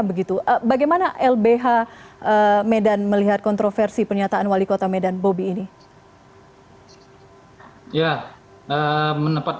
begitu bagaimana lbh medan melihat kontroversi pernyataan wali kota medan bobi ini